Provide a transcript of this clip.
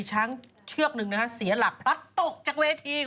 ช้างเชื่อกหนึ่งเสียหลับปัดตกจากเวที